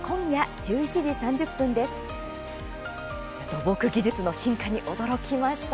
土木技術の進化に驚きました。